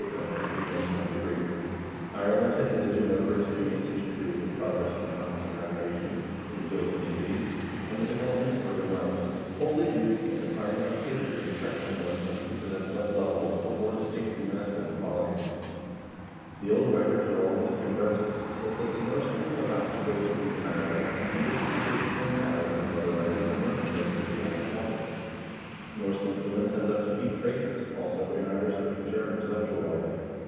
i — Q 226 HISTORY OF THE NORWEGIAN PEOPLE and navigation, in the building of cities, and the development of urban life, wholly due to the enterprise and activity of the practical Norse men, who possessed less lovable, but more distinctly masculine quali ties. The old writer Geraldus Cambrensis says that the Norsemen were allowed to build cities in Ireland on condition that they should bring to Ireland from other lands the merchandise which the Irish wanted.1 Norse influence had left deep traces, also, in Irish liter ature and intellectual life.